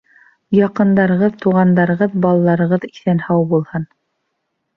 Яҡындарығыҙ, туғандарығыҙ, балаларығыҙ иҫән-һау булһын.